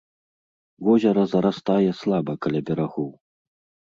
Возера зарастае слаба каля берагоў.